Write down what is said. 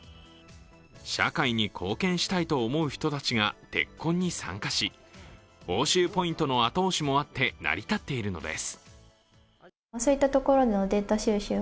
社会に貢献したいと思う人たちが「ＴＥＫＫＯＮ」に参加し報酬ポイントの後押しもあって、成り立っているのです。